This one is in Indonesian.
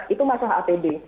itu masalah apd